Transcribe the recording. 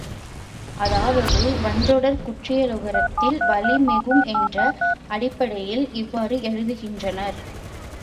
அதாவது, வன்றொடர்க் குற்றியலுகரத்தில் வலி மிகும் என்ற அடிப்படையில் இவ்வாறு எழுதுகின்றனர்.